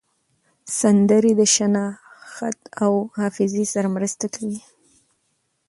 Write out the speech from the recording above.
سندرې د شناخت او حافظې سره مرسته کوي.